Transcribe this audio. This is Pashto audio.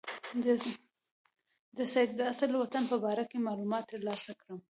د سید د اصلي وطن په باره کې معلومات ترلاسه کړم.